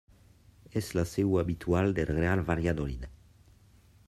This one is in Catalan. És la seu habitual del Real Valladolid.